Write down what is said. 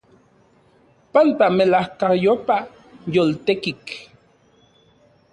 Panpa melajkayopa yoltetik.